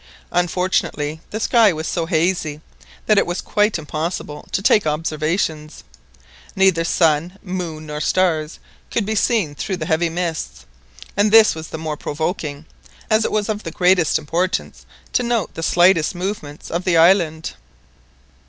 Unfortunately the sky was so hazy, that it was quite impossible to take observations, neither sun, moon, nor stars could be seen through the heavy mists, and this was the more provoking, as it was of the greatest importance to note the slightest movements of the island.